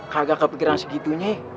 kagak kepikiran segitunya